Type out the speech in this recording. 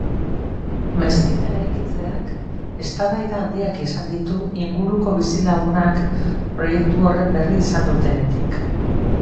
Meskita eraikitzeak eztabaida handiak izan ditu inguruko bizilagunak proiektu horren berri izan dutenetik.